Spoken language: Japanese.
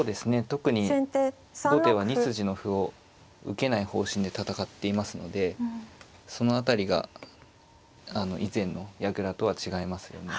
特に後手は２筋の歩を受けない方針で戦っていますのでその辺りが以前の矢倉とは違いますよね。